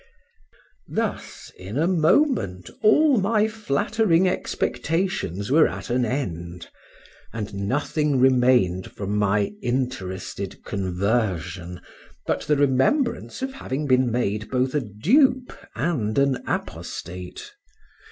Thus, in a moment, all my flattering expectations were at an end; and nothing remained from my interested conversion but the remembrance of having been made both a dupe and an apostate.